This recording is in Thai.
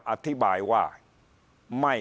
พักพลังงาน